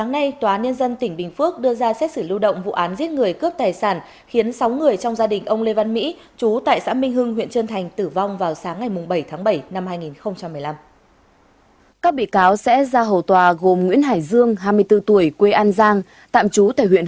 hãy đăng ký kênh để ủng hộ kênh của chúng mình nhé